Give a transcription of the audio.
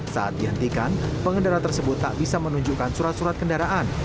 saat dihentikan pengendara tersebut tak bisa menunjukkan surat surat kendaraan